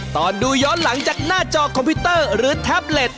ตอนดูย้อนหลังจากหน้าจอคอมพิวเตอร์หรือแท็บเล็ต